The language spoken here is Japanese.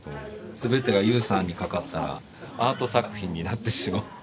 全てが雄さんにかかったらアート作品になってしまう。